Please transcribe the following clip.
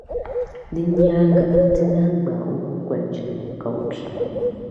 Din nyaaŋa, Ti naan ŋmaagi o kukojilgu ka o kpi.